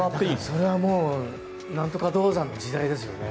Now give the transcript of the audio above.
それは何とか道山の時代ですよね。